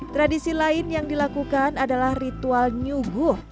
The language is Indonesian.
tradisi lain yang dilakukan adalah ritual nyuguh